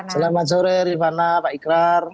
selamat sore rifana pak ikrar